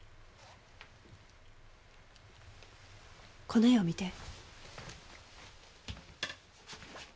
この絵を見て。